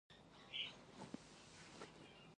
په ټوله مینه مې پښې پکې مینځلې وې.